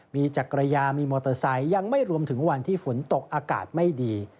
มีจักรยานมีมอเตอร์ไซค์ยังไม่รวมถึงวันที่ฝนตกอากาศไม่ดี